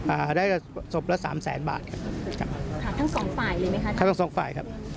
อ่าได้ศพละสามแสนบาทครับครับค่ะทั้งสองฝ่ายเลยไหมคะครับทั้งสองฝ่ายครับ